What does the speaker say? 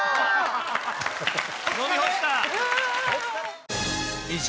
飲み干した！